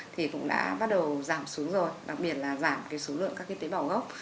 thì cũng đã bắt đầu giảm xuống rồi đặc biệt là giảm số lượng các tế bào gốc